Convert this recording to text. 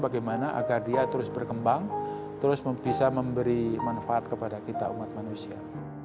bagaimana agar dia terus berkembang terus bisa memberi manfaat kepada kita umat manusia